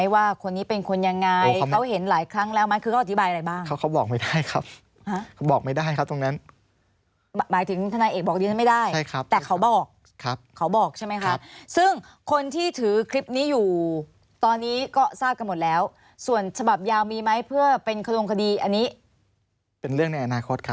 ว่าคนนี้เป็นคนยังไงเขาเห็นหลายครั้งแล้วไหมคือเขาอธิบายอะไรบ้างเขาก็บอกไม่ได้ครับเขาบอกไม่ได้ครับตรงนั้นหมายถึงทนายเอกบอกดิฉันไม่ได้ใช่ครับแต่เขาบอกเขาบอกใช่ไหมคะซึ่งคนที่ถือคลิปนี้อยู่ตอนนี้ก็ทราบกันหมดแล้วส่วนฉบับยาวมีไหมเพื่อเป็นขลงคดีอันนี้เป็นเรื่องในอนาคตครับ